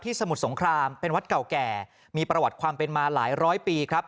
สมุทรสงครามเป็นวัดเก่าแก่มีประวัติความเป็นมาหลายร้อยปีครับ